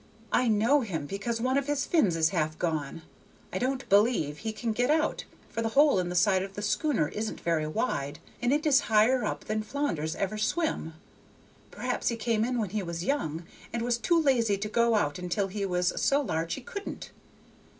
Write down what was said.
"I know him because one of his fins is half gone. I don't believe he can get out, for the hole in the side of the schooner isn't very wide, and it is higher up than flounders ever swim. Perhaps he came in when he was young, and was too lazy to go out until he was so large he couldn't.